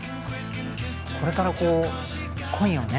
これからこうコインをね